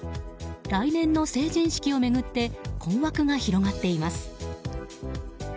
来年の成人式を巡って困惑が広がっています。